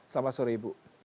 selamat sore ibu